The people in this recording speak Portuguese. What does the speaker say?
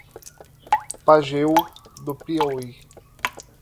Pajeú do Piauí